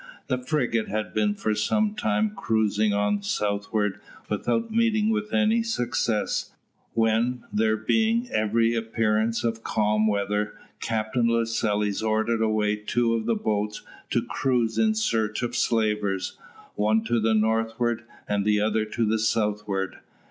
The frigate had been for some time cruising on to the southward, without meeting with any success, when, there being every appearance of calm weather, Captain Lascelles ordered away two of the boats to cruise in search of slavers, one to the northward and the other to the southward.